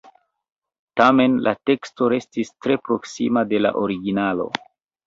Tamen la teksto restis tre proksima de la originalo.